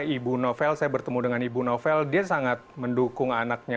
ibu novel saya bertemu dengan ibu novel dia sangat mendukung anaknya